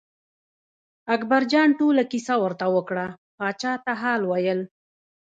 اکبرجان ټوله کیسه ورته وکړه پاچا ته حال ویل.